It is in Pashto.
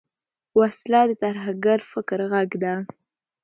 وسله د ترهګر فکر غږ ده